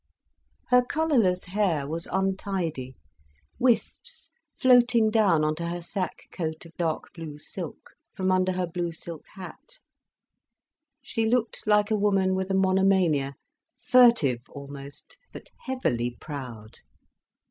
Her colourless hair was untidy, wisps floating down on to her sac coat of dark blue silk, from under her blue silk hat. She looked like a woman with a monomania, furtive almost, but heavily proud.